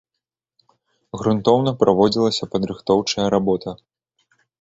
Грунтоўна праводзілася падрыхтоўчая работа.